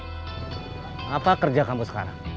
kenapa kerja kamu sekarang